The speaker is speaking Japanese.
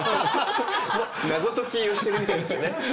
謎解きをしてるみたいですよね。